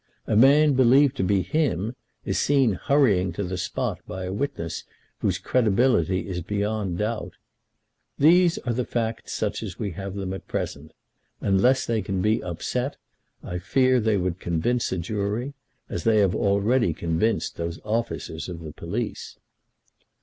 A man believed to be him is seen hurrying to the spot by a witness whose credibility is beyond doubt. These are the facts such as we have them at present. Unless they can be upset, I fear they would convince a jury, as they have already convinced those officers of the police."